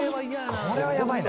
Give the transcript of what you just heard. これはやばいな。